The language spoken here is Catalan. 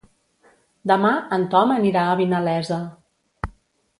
Demà en Tom anirà a Vinalesa.